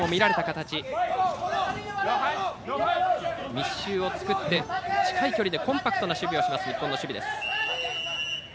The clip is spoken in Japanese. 密集を作って近い距離でコンパクトな守備をする日本の守備です。